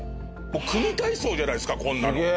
組み体操じゃないですかこんなの。